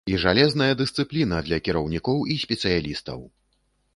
І жалезная дысцыпліна для кіраўнікоў і спецыялістаў!